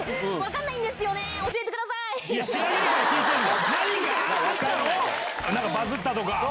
なんかバズったとか。